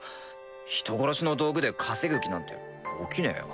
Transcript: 人殺しの道具で稼ぐ気なんて起きねぇよ。